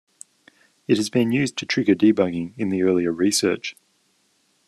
It has been used to trigger debugging in the earlier research.